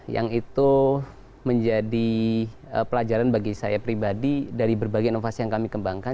yang itu menjadi pelajaran bagi saya pribadi dari berbagai inovasi yang kami kembangkan